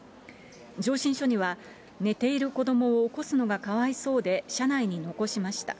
上申書には、寝ている子どもを起こすのがかわいそうで、車内に残しました。